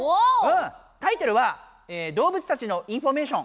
タイトルは「動物たちのインフォメーション」。